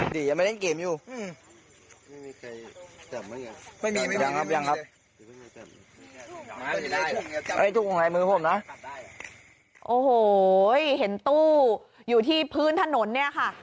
ตรงในมือผมนะโอ้โหเห็นตู้อยู่ที่พื้นถนนเนี่ยค่ะ